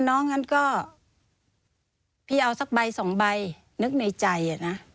งั้นก็พี่เอาสักใบสองใบนึกในใจนะ